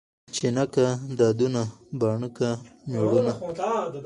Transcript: ـ چې نه کا دادونه بانه کا مېړونه.